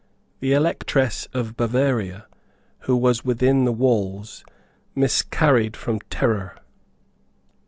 The Electress of Bavaria, who was within the walls, miscarried from terror.